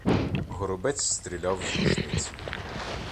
Горобець стріляв з рушниці.